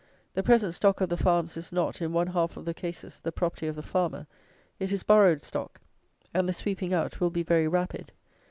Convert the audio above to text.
The present stock of the farms is not, in one half of the cases, the property of the farmer. It is borrowed stock; and the sweeping out will be very rapid.